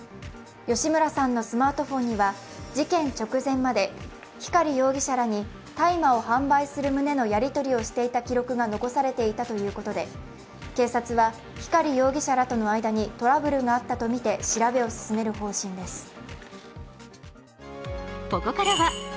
吉村さんのスマートフォンには事件直前まで光容疑者らに大麻を販売する旨のやり取りをしていた記録が残されていたということで警察は光容疑者らとの間にトラブルがあったとみて調べを進める方針です。